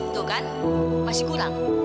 tuh kan masih kurang